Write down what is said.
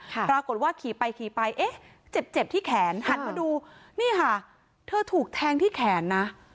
ปรากฏว่าขี่ไปขี่ไปเอ๊ะเจ็บเจ็บที่แขนหันมาดูนี่ค่ะเธอถูกแทงที่แขนนะ